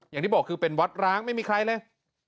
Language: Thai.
อย่างที่บอกคือเป็นวัดร้างไม่มีใครเลย